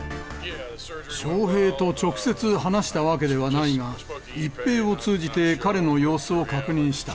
翔平と直接話したわけではないが、一平を通じて彼の様子を確認した。